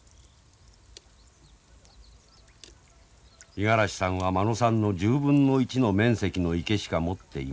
五十嵐さんは間野さんの１０分の１の面積の池しか持っていません。